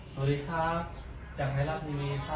สวัสดีครับอยากให้รับมีมีค่ะ